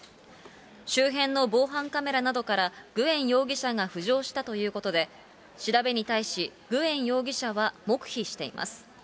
周辺の防犯カメラなどから、グエン容疑者が浮上したということで、調べに対し、グエン容疑者は黙秘しています。